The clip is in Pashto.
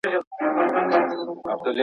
د بُت له ستوني اورمه آذان څه به کوو؟.